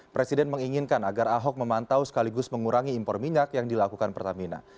presiden menginginkan agar ahok memantau sekaligus mengurangi impor minyak yang dilakukan pertamina